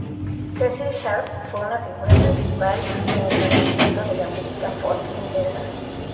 Cecil Sharp fue una figura principal en el renacimiento de la música folk inglesa.